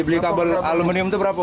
beli kabel aluminium itu berapa